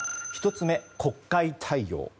１つ目は国会対応。